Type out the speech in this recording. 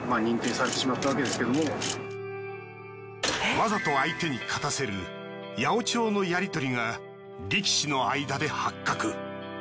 わざと相手に勝たせる八百長のやり取りが力士の間で発覚。